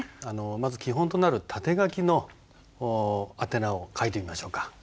まず基本となる縦書きの宛名を書いてみましょうか。